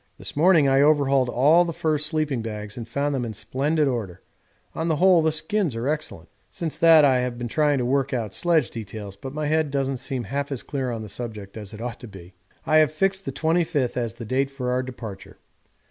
This morning I overhauled all the fur sleeping bags and found them in splendid order on the whole the skins are excellent. Since that I have been trying to work out sledge details, but my head doesn't seem half as clear on the subject as it ought to be. I have fixed the 25th as the date for our departure.